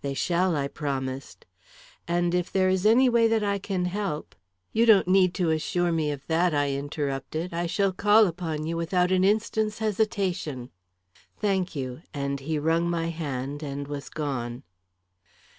"They shall," I promised. "And if there is any way that I can help " "You don't need to assure me of that," I interrupted. "I shall call upon you without an instant's hesitation." "Thank you," and he wrung my hand and was gone.